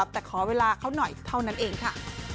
แต่ขอเวลาเขาหน่อยเท่านั้นเองค่ะ